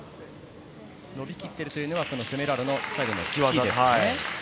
伸びきっているというのはセメラーロの最後の突きですね。